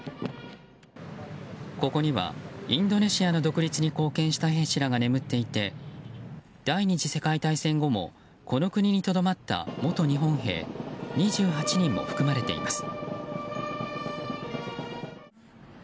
ここにはインドネシアの独立に貢献した兵士らが眠っていて第２次世界大戦後もこの国にとどまった元日本兵２８人も含まれています。